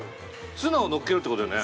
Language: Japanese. ツナをのっけるってことだよね。